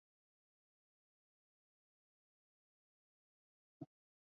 潘家园是北京市朝阳区的街道之一。